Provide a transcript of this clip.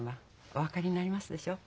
お分かりになりますでしょう？